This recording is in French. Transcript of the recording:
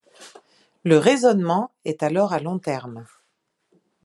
Le raisonnement est alors à long terme.